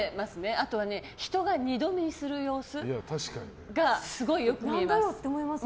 あとは人が二度見する様子がすごい良く見えます。